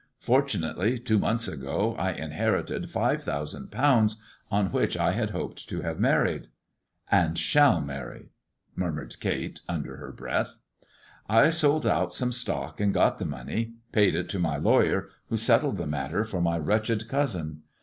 Fortunately, two months ago I in herited five thousand pounds, on which I had hoped to have married." " And shall marry," mxirmured Kate under her breath. " I sold out some stock and got the money — paid it to my lawyer, who settled the matter for my wretched cousin.